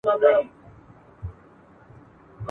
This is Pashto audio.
او د غره لمن له لیری ورښکاره سول !.